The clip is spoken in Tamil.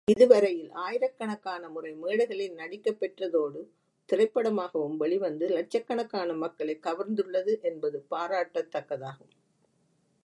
இதுவரையில் ஆயிரக்கணக்கான முறை மேடைகளில் நடிக்கப் பெற்றதோடு திரைப்படமாகவும் வெளிவந்து இலட்சக்கணக்கான மக்களைக் கவர்ந்துள்ளது என்பது பாராட்டத்தக்கதாகும்.